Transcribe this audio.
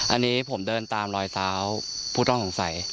อันนี้ผมเดินตามรอยเท้าผู้ต้องสงสัย